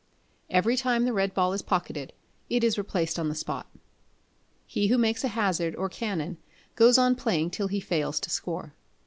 Every time the red ball is pocketed, it is replaced on the spot. He who makes a hazard or canon goes on playing till he fails to score.